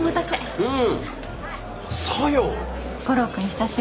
うん。